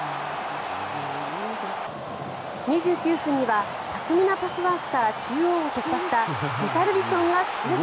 ２９分には巧みなパスワークから中央を突破したリシャルリソンがシュート。